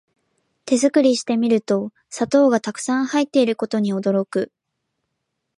手作りしてみると砂糖がたくさん入ってることに驚く